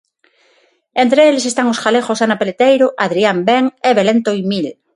Entre eles están os galegos Ana Peleteiro, Adrián Ben e Belén Toimil.